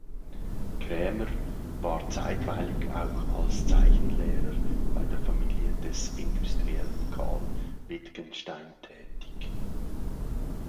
Krämer war zeitweilig auch als Zeichenlehrer bei der Familie des Industriellen Karl Wittgenstein tätig.